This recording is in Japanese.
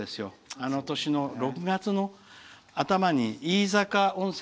あの年の６月の頭に飯坂温泉